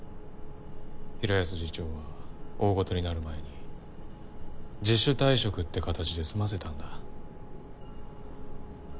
平安次長が大ごとになる前に自主退職ってかたちで済ませたんだ。